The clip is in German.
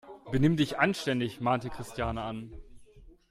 "Benimm dich anständig!", mahnte Christiane an.